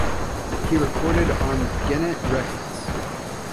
He recorded on Gennett Records.